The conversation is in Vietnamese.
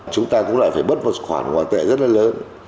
chúng ta cũng lại phải bớt một khoản ngoại tệ rất là lớn